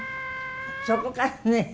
そこからね